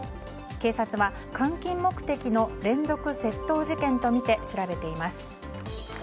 警察は換金目的の連続窃盗事件とみて調べています。